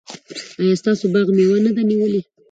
ایا ستاسو باغ مېوه نه ده نیولې؟